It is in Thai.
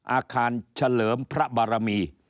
อาคารเฉลิมพระบารมี